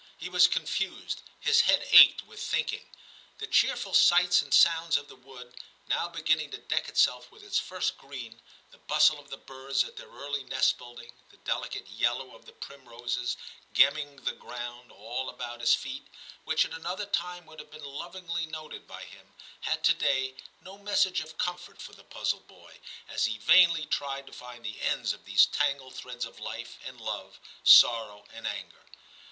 He was con fused ; his head ached with thinking. The cheerful sights and sounds of the wood, now beginning to deck itself with its first green, the bustle of the birds at their early nest building, the delicate yellow of the primroses gemming the ground all about his feet, which at another time would have been lovingly noted by him, had to day no mes sage of comfort for the puzzled boy, as he vainly tried to find the ends of these tangled threads of life, and love, sorrow, and anger.